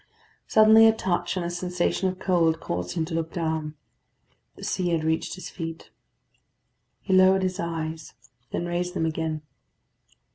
Suddenly a touch and a sensation of cold caused him to look down. The sea had reached his feet. He lowered his eyes, then raised them again.